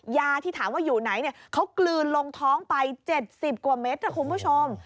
ยาที่ถามว่าอยู่ไหนเขากลืนลงท้องไป๗๐กว่าเม็ดนะคุณผู้ชม